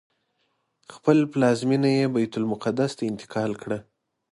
خپله پلازمینه یې بیت المقدس ته انتقال کړه.